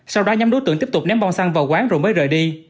sau đó nhóm đối tượng tiếp tục ném bom xăng vào quán rồi mới rời đi